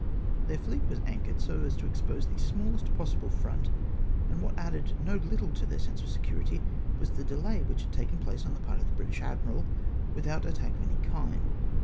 Their fleet was anchored so as to expose the smallest possible front ; and what added no httle to their sense of security was the delay which had taken place on the part of the British admiral without attack of any Idnd.